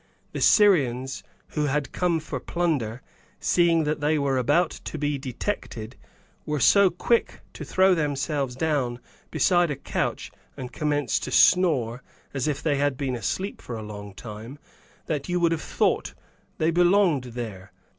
The Syrians, who had come for plunder, seeing that they were about to be detected, were so quick to throw themselves down besides a couch and commence to snore as if they had been asleep for a long time, that you would have thought they belonged there.